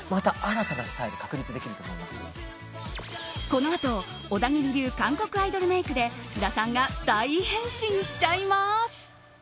このあと、小田切流韓国アイドルメイクで須田さんが大変身しちゃいます。